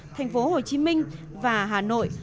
thành phố hồ chí minh và hà nội